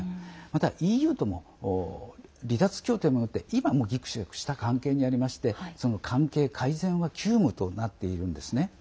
また、ＥＵとも離脱協定によって今もギクシャクした関係にありましてその関係改善は急務となっているんですね。